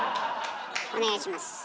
お願いします。